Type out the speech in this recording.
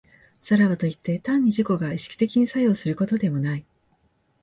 さらばといって、単に自己が意識的に作用することでもない。